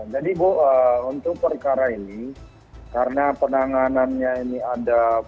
jadi bu untuk perkara ini karena penanganannya ini ada